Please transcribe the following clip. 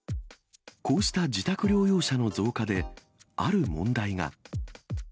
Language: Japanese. こうした自宅療養者の増加で、ある問題が。